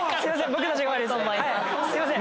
すいません。